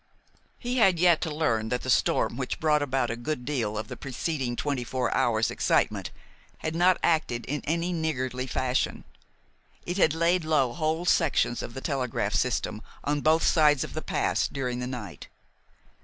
He had yet to learn that the storm which brought about a good deal of the preceding twenty four hours' excitement had not acted in any niggardly fashion. It had laid low whole sections of the telegraph system on both sides of the pass during the night.